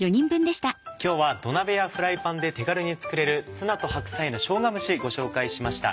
今日は土鍋やフライパンで手軽に作れる「ツナと白菜のしょうが蒸し」ご紹介しました。